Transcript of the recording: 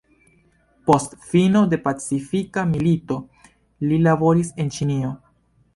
Post fino de Pacifika Milito, li laboris en Ĉinio.